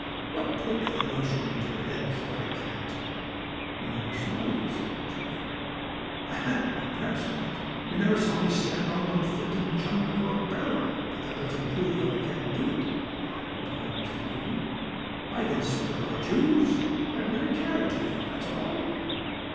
What put the notion into your heads that I can't?" "We never saw you," spoke Jimmie. "Ahem! Perhaps not. You never saw me stand on one foot and jump over a barrel, but that doesn't prove that I can't do it," replied Mr. Doodle. "I can swim if I choose. I have never cared to, that's all."